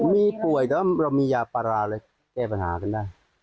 มีป่วยแต่ว่าเรามียาปลาร้าเลยแก้ปัญหากันได้